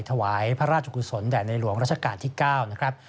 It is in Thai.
ถวายพระราชกุศลแด่ในหลวงราชการที่๙นะครับ